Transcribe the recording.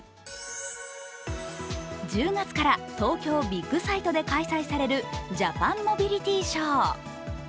１０月から東京ビッグサイトで開催されるジャパンモビリティショー。